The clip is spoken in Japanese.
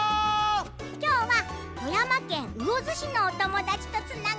きょうは富山県魚津市のおともだちとつながっているよ。